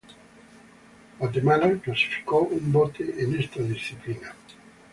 Guatemala clasificó un bote en esta disciplina.